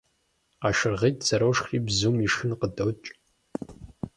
КъашыргъитӀ зэрошхри бзум ишхын къыдокӀ.